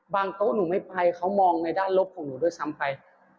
โต๊ะหนูไม่ไปเขามองในด้านลบของหนูด้วยซ้ำไป